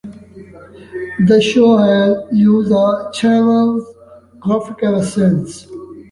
The show has used the channel's graphics ever since.